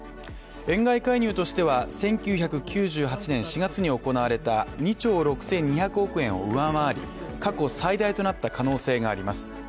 円買い介入としては１９９８年４月に行われた２兆６２００億円を上回り過去最大となった可能性があります。